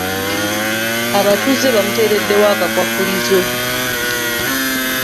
Abatuuze bamuteereddewo akakwakulizo.